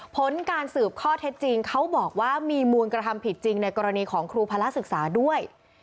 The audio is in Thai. ผลการสืบข้อเท็จจริงเขาบอกว่ามีมูลกระทำผิดจริงในกรณีของครูพระศึกษาด้วย